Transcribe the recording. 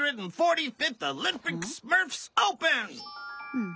うん？